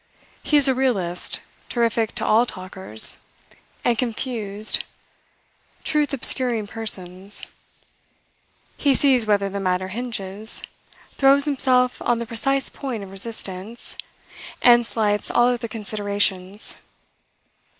He is a realist, terrific to all talkers, and confused truth obscuring persons. He sees where the matter hinges, throws himself on the precise point of resistance, and slights all other considerations.